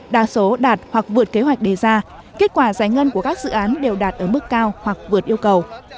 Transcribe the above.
đa số đạt hoặc vượt kế hoạch đề ra kết quả giải ngân của các dự án đều đạt ở mức cao hoặc vượt yêu cầu